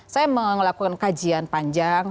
saya melakukan kajian panjang